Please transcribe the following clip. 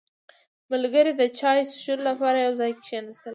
• ملګري د چای څښلو لپاره یو ځای کښېناستل.